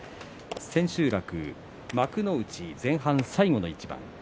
千秋楽、幕内前半最後の一番です。